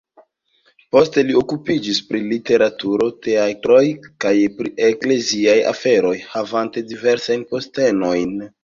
Poste li okupiĝis pri literaturo, teatroj kaj pri ekleziaj aferoj havanta diversajn postenojn.